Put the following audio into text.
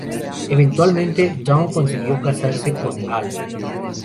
Eventualmente, Dawn consiguió casarse con Al.